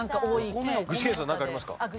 具志堅さんなんかありますか？